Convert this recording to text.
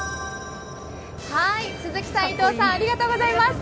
鈴木さん、伊藤さんありがとうございます。